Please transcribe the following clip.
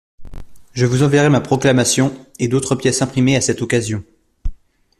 Je vous enverrai ma proclamation et d'autres pièces imprimées à cette occasion.